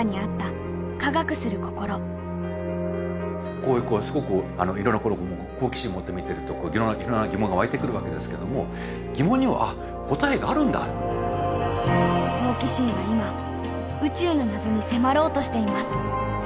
こういうすごくいろんなところを好奇心持って見てるといろんな疑問が湧いてくるわけですけども好奇心は今宇宙の謎に迫ろうとしています。